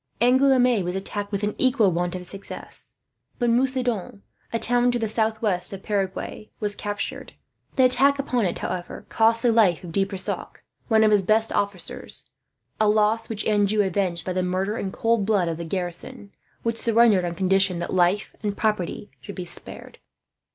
Angouleme was attacked with an equal want of success; but Mucidan, a town to the southwest of Perigueux, was captured. The attack upon it, however, cost the life of De Brissac, one of his best officers a loss which Anjou avenged by the murder, in cold blood, of the garrison; which surrendered on condition that life and property should be spared.